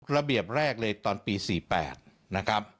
ระเบียบแรกเลยตอนปี๔๘นะครับ